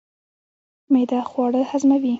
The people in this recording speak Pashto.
معده خواړه هضموي